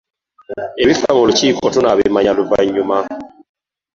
Ebifa mu lukiiko tunaabimanya luvannyuma.